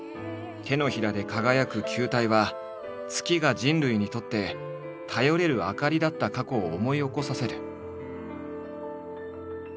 手のひらで輝く球体は月が人類にとって頼れる灯りだった過去を思い起こさせる。